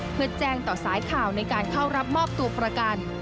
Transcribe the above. เพื่อแจ้งต่อสายข่าวในการเข้ารับมอบตัวประกัน